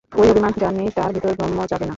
ঐ অভিমান যার নেই, তার ভেতরে ব্রহ্ম জাগেন না।